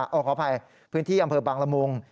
อ้อขอออกภัยพื้นที่อำเภอบังรมุง